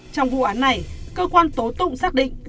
trong vụ án này cơ quan tố tụng xác định